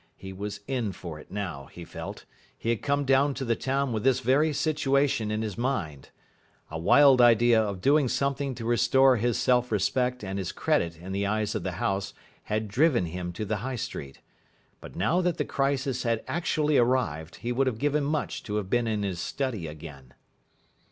He was in for it now, he felt. He had come down to the town with this very situation in his mind. A wild idea of doing something to restore his self respect and his credit in the eyes of the house had driven him to the High Street. But now that the crisis had actually arrived, he would have given much to have been in his study again.